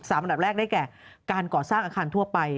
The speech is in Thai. อันดับแรกได้แก่การก่อสร้างอาคารทั่วไป